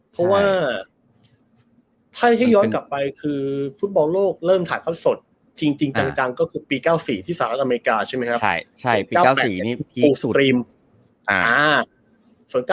เพราะว่าถ้าให้ย้อนกลับไปคือฟุตบอลโลกเริ่มถ่ายทอดสดจริงจังก็คือปี๙๔ที่สหรัฐอเมริกาใช่ไหมครับ